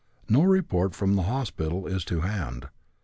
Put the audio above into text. No report from the hospital is to hand.